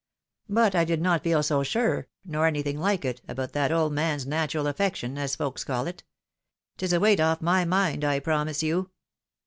But I did not feel so sure, nor any thing like it, about that old man's natural affection, as folks call it. It is a weight off my mind, I promise you."